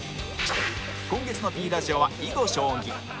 今月の Ｐ ラジオは囲碁将棋